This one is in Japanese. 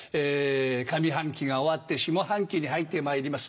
「上半期が終わって下半期に入ってまいります。